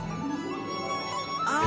あ！